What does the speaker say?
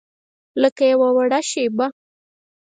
لکه یوه وړه شیبه